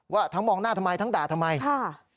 ว่าทั้งมองหน้าทำไมทั้งด่าทำไมค่ะ